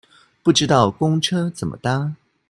不知道公車怎麼搭